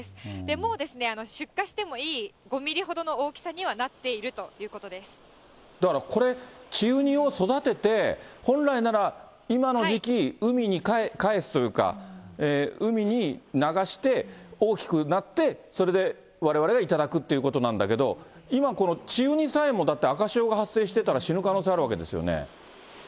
もう出荷してもいい５ミリほどの大きさにはなっているということだからこれ、稚ウニを育てて、本来なら今の時期海にかえすというか、海に流して、大きくなって、それでわれわれが頂くっていうことなんだけど、今この稚ウニさえも、だって、赤潮が発生してたら死ぬ可能性があるわけですよね。